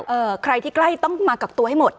ใครที่ใกล้ต้องมากักตัวให้หมด